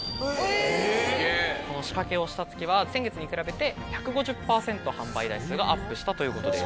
この仕掛けをした月は先月に比べて１５０％販売台数がアップしたということです。